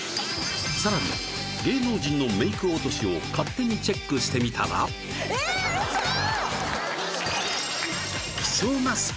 さらに芸能人のメイク落としを勝手にチェックしてみたらええーウソー！